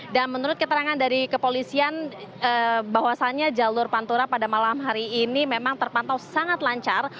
dan menurut keterangan dari kepolisian bahwasannya jalur pantura pada malam hari ini memang terpantau sangat lancar